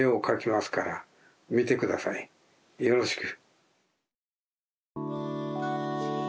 よろしく。